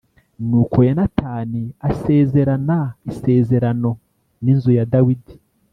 Nuko Yonatani asezerana isezerano n’inzu ya Dawidi